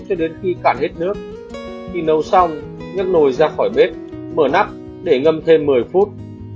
cho đến khi cản hết nước khi nấu xong nhấc nồi ra khỏi bếp mở nắp để ngâm thêm một mươi phút